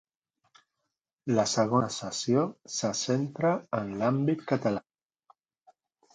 La segona sessió se centra en l'àmbit català.